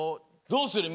どうする？